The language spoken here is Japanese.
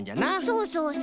そうそうそう。